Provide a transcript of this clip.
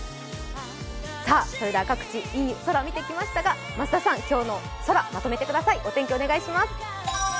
それでは各地、いい空を見てきましたが、増田さん今日の空、まとめてください。